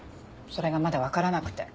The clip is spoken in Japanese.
それがまだ分からなくて。